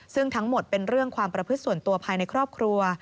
ซึ่งทั้งหมดเป็นเรื่องความประพฤติส่วนตัวภายในครอบครัว